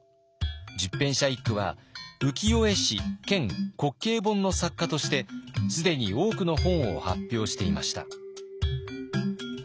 十返舎一九は浮世絵師兼滑稽本の作家として既に多くの本を発表していました。